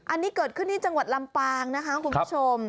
อันนี้เกิดขึ้นที่จังหวัดลำปางนะคะคุณผู้ชม